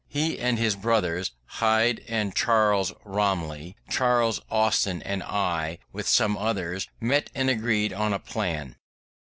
He and his brothers, Hyde and Charles, Romilly, Charles Austin and I, with some others, met and agreed on a plan.